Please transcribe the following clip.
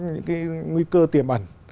những cái nguy cơ tiềm ẩn